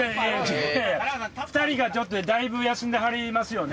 ２人だいぶ休んではりますよね。